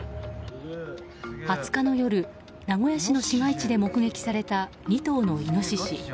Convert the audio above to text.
２０日の夜、名古屋市の市街地で目撃された２頭のイノシシ。